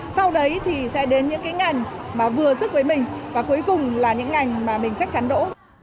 sau đấy thì sẽ đến những cái ngành mà vừa sức với mình và cuối cùng là những ngành mà mình chắc chắn đỗ